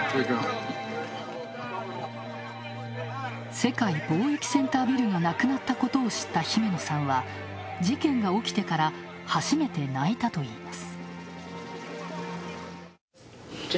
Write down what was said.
世界貿易センタービルがなくなったことを知ったヒメノさんは、事件が起きてから初めて泣いたといいます。